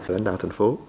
lãnh đạo thành phố